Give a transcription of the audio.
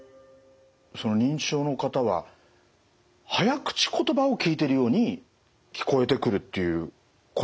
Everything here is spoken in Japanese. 認知症の方は早口言葉を聞いてるように聞こえてくるっていうことなんですね？